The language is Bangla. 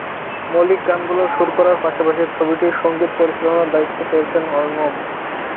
মৌলিক গানগুলোর সুর করার পাশাপাশি ছবিটির সংগীত পরিচালনার দায়িত্ব পেয়েছেন অর্ণব।